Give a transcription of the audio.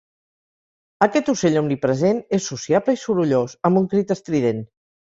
Aquest ocell omnipresent és sociable i sorollós, amb un crit estrident.